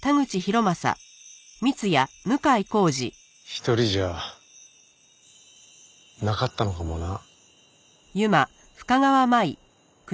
一人じゃなかったのかもな。